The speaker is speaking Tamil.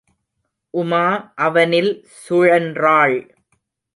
உமா அவனில் சுழன்றாள்.